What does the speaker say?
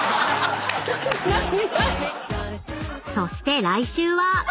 ［そして来週は］